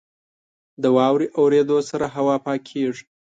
• د واورې اورېدو سره هوا پاکېږي.